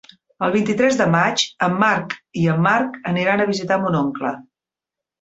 El vint-i-tres de maig en Marc i en Marc aniran a visitar mon oncle.